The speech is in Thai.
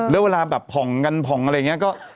แล้วเวลาแบบผ่องกันผ่องอะไรอย่างนี้ก็